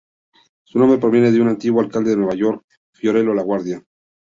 Su nombre proviene de un antiguo alcalde de Nueva York, Fiorello LaGuardia.